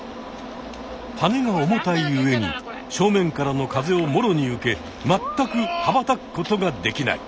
はねが重たい上に正面からの風をもろに受け全くはばたくことができない。